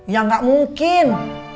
ya gak mungkin